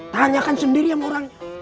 tanyakan sendiri sama orangnya